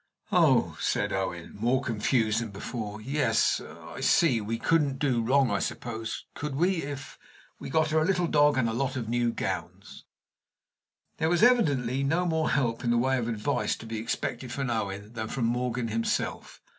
"Oh!" said Owen, more confused than before. "Yes I see; we couldn't do wrong, I suppose could we? if we got her a little dog, and a lot of new gowns." There was, evidently, no more help in the way of advice to be expected from Owen than from Morgan himself.